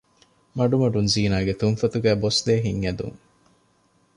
މަޑުމަޑުން ޒީނާގެ ތުންފަތުގައި ބޮސްދޭ ހިތް އެދުން